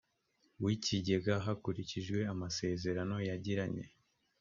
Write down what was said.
w ikigega hakurikijwe amasezerano yagiranye